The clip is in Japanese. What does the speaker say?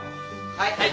はい。